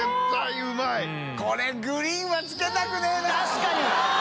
これグリーンはつけたくねぇな！